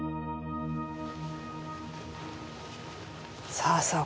さあさあ